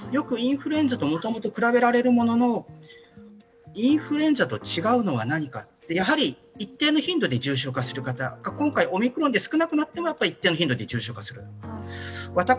インフルエンザともともと比べられるもののインフルエンザと違うのは何かやはり一定の頻度で重症化する方、今回、オミクロンで少なくなっても一定の頻度で重症化する。